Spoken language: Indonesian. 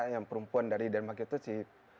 yang perempuan dari denmark itu si